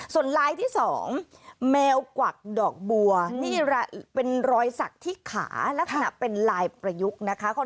ส่วนลายที่สอง